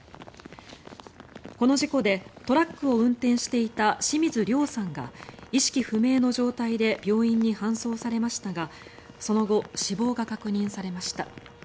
この事故でトラックを運転していた清水遼さんが意識不明の状態で病院に搬送されましたがその後、死亡が確認されました。